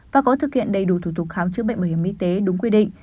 và có thực hiện đầy đủ thủ tục khám chữa bệnh bảo hiểm y tế đúng quy định